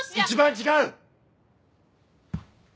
一番違う！